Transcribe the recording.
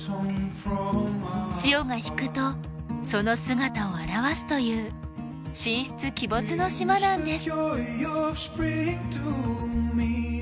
潮が引くとその姿を現すという神出鬼没の島なんです。